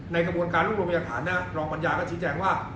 ในกระบวนการรุ่นบริหารภารณ์เนี้ยรองปัญญาก็ชิดแจ้งว่า